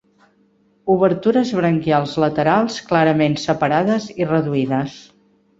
Obertures branquials laterals, clarament separades i reduïdes.